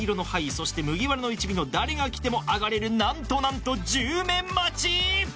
そして麦わらの一味の誰がきてもあがれる何と何と１０面待ち。